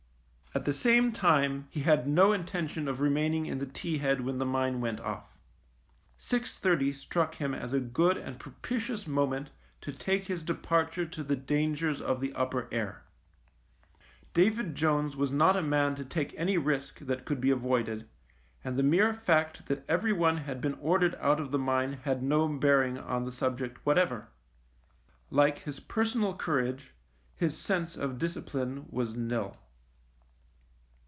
At the same time he had no intention of remaining in the T head when the mine went off. Six thirty struck him as a good and propitious moment to take his departure to the dangers of the upper air. David Jones was not a man to take any risk that could be avoided, and the mere fact that every one had been ordered out of the mine had no bearing on the subject whatever. Like his personal courage, his sense of discipline was nil.